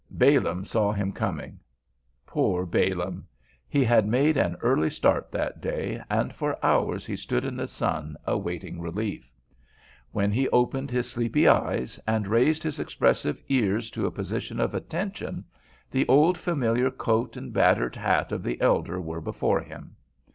Balaam saw him coming. Poor Balaam. He had made an early start that day, and for hours he stood in the sun awaiting relief. When he opened his sleepy eyes and raised his expressive ears to a position of attention, the old familiar coat and battered hat of the elder were before him.